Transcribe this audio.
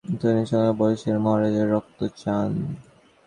তিনি স্বয়ং বলিয়াছেন, তিনি মহারাজের রক্ত চান।